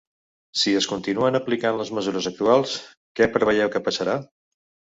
Si es continuen aplicant les mesures actuals, què preveieu que passarà?